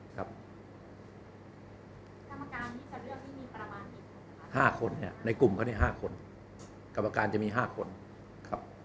๕คนเนี่ยในกลุ่มเขาเนี่ย๕คนกรรมการจะมี๕คนครับ